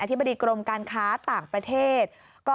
ธิบดีกรมการค้าต่างประเทศ